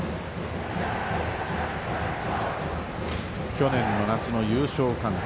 去年の夏の優勝監督